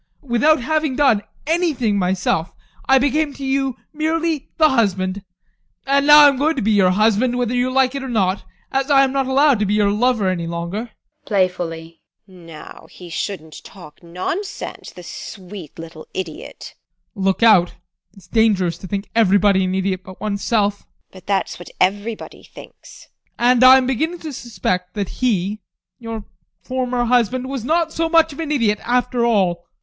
Without having done anything myself, I became to you merely the husband. And now I am going to be your husband whether you like it or not, as I am not allowed to be your lover any longer. TEKLA. [Playfully] Now he shouldn't talk nonsense, the sweet little idiot! ADOLPH. Look out: it's dangerous to think everybody an idiot but oneself! TEKLA. But that's what everybody thinks. ADOLPH. And I am beginning to suspect that he your former husband was not so much of an idiot after all. TEKLA.